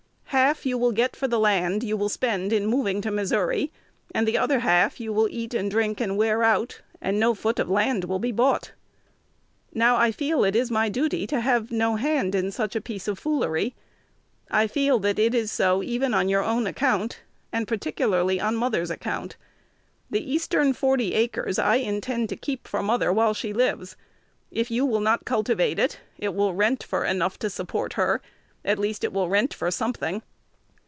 Half you will get for the land you will spend in moving to Missouri, and the other half you will eat and drink and wear out, and no foot of land will be bought. Now, I feel it is my duty to have no hand in such a piece of foolery. I feel that it is so even on your own account, and particularly on mother's account. The eastern forty acres I intend to keep for mother while she lives: if you will not cultivate it, it will rent for enough to support her; at least, it will rent for something.